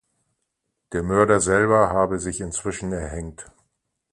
Der Mörder selber habe sich inzwischen erhängt.